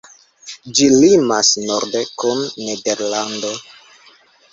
Ĝi limas norde kun Nederlando.